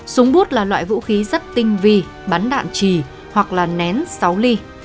súng bút là loại vũ khí rất tinh vi bắn đạn trì hoặc là nén sáu ly